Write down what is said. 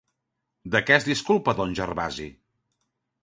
De què es disculpa don Gervasi?